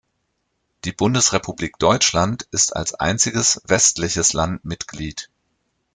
Die Bundesrepublik Deutschland ist als einziges „westliches“ Land Mitglied.